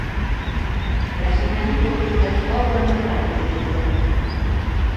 Рәхимәнең был һүҙгә тағы ла нығыраҡ иҫе китте.